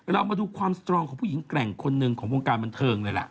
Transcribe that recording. เรามาดูความสตรองของผู้หญิงแกร่งคนหนึ่งของวงการบันเทิงเลยล่ะ